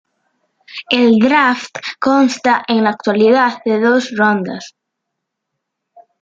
El draft consta en la actualidad de dos rondas.